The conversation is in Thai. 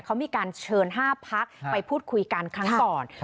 เขามีการเชิญ๕พักไปพูดคุยกันครั้งก่อน